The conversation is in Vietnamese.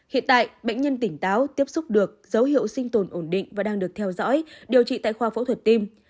hiện tại bệnh nhân tỉnh táo tiếp xúc được dấu hiệu sinh tồn ổn định và đang được theo dõi điều trị tại khoa phẫu thuật tim